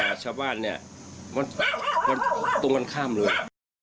แต่ชาวบ้านเนี่ยมันตรงกันข้ามเลย